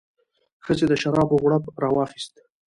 ښځې د شرابو غوړپ راواخیست.